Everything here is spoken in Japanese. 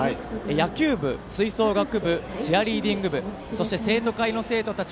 野球部、吹奏楽部チアリーディング部そして、生徒会の生徒たち